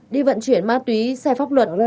đi vận chuyển ma túy xe pháp luật